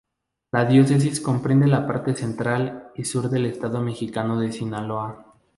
La diócesis comprende la parte central y sur del estado mexicano de Sinaloa.